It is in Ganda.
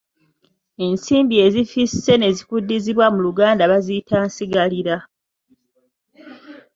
Ensimbi ezifisse ne zikuddizibwa mu luganda baziyita Nsigalira.